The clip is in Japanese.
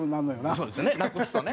そうですねなくすとね。